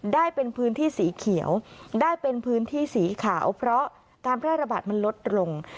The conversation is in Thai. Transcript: ได้เป็นพื้นที่สีเขียวได้เป็นพื้นที่สีขาวเพราะการแพร่ระบาดมันลดลง